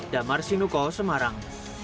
damar sinuko semarang